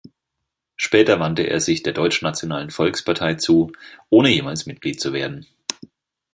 Später wandte er sich der Deutschnationalen Volkspartei zu, ohne jemals Mitglied zu werden.